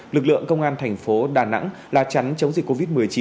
lực lượng công an thành phố đà nẵng la chắn chống dịch covid một mươi chín